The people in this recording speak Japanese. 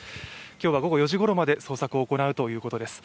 今日は、午後４時ごろまで捜索を行うということです。